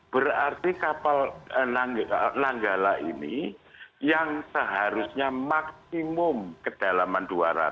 berarti kapal nanggala ini yang seharusnya maksimum kedalaman dua ratus